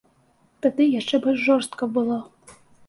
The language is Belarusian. Тады яшчэ больш жорстка было.